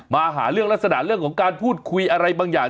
มาหาเรื่องลักษณะเรื่องของการพูดคุยอะไรบางอย่าง